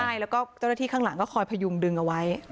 ใช่แล้วก็เจ้าหน้าที่ข้างหลังก็คอยพยุงดึงเอาไว้